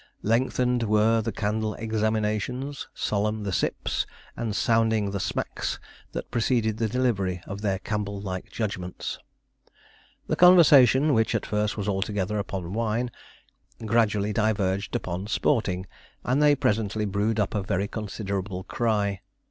Lengthened were the candle examinations, solemn the sips, and sounding the smacks that preceded the delivery of their Campbell like judgements. The conversation, which at first was altogether upon wine, gradually diverged upon sporting, and they presently brewed up a very considerable cry.